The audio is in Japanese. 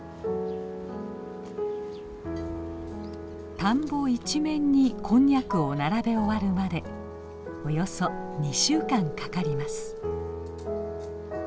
田んぼ一面にこんにゃくを並べ終わるまでおよそ２週間かかります。